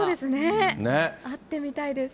会ってみたいです。